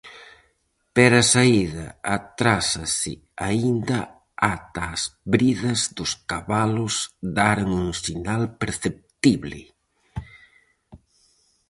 Pero a saída atrásase aínda ata as bridas dos cabalos daren un sinal perceptible.